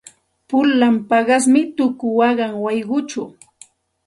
Pulan paqasmi tuku waqan wayquchaw.